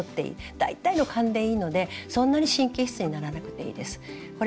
大体の勘でいいのでそんなに神経質にならなくていいです。